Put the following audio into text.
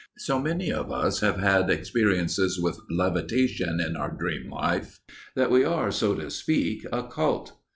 So many of us have had experiences with levitation in our dream life that we are, so to speak, a cult.